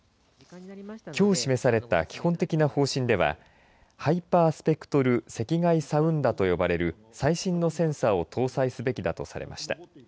きょう示された基本的な方針ではハイパースペクトル赤外サウンダと呼ばれる最新のセンサーを搭載すべきだとされました。